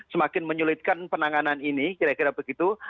semakin menyulitkan penanganan ini kira kira begitu